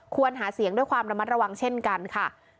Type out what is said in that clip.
หาเสียงด้วยความระมัดระวังเช่นกันค่ะ